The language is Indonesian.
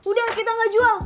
udah kita gak jual